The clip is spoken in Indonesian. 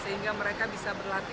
sehingga mereka bisa berlatih